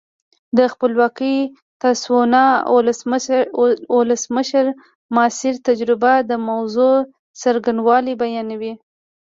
د خپلواکې تسوانا ولسمشر ماسیر تجربه د موضوع څرنګوالی بیانوي.